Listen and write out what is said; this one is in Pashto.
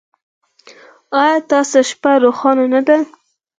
ایا ستاسو شپه روښانه نه ده؟